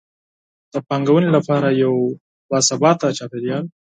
د پانګونې لپاره یو باثباته چاپیریال.